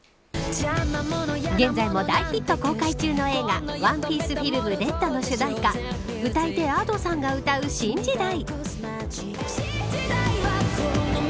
現在も大ヒット公開中の映画ＯＮＥＰＩＥＣＥＦＩＬＭＲＥＤの主題歌歌い手Ａｄｏさんが歌う新時代。